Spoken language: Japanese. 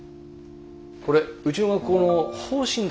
これうちの学校の方針だから。